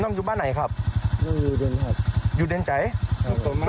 น้องอยู่บ้านไหนครับน้องอยู่เดียนครับอยู่เดียนใจครับ